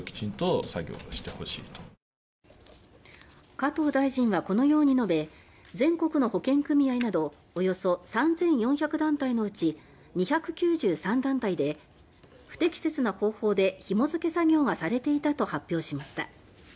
加藤大臣はこのように述べ全国の保険組合などおよそ３４００団体のうち２９３団体で不適切な方法でひも付け作業がされていたと発表しました。